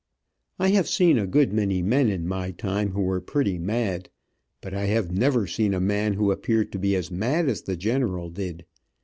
I have seen a good many men in my time who were pretty mad, but I have never seen a man who appeared to be as mad as the general did.